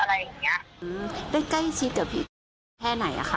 จะมาลวนลำหรือล่วงล้อเมิดอะไรอย่างเงี้ยได้ใกล้ชิดกับแพร่ไหนอะค่ะ